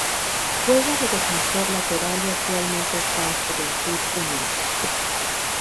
Juega de defensor lateral y actualmente está en Juventud Unida.